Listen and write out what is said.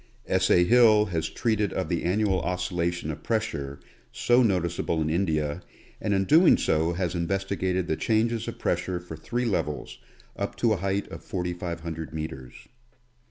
S. A. Hill has treated of the annual oscillation of pressure, so noticeable in India, and in so doing has investigated the changes of pressure for three levels, up to a height of 4500 meters.